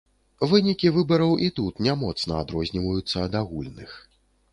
Вынікі выбараў і тут не моцна адрозніваюцца ад агульных.